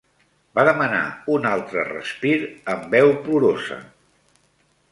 Va demanar un altre respir amb veu plorosa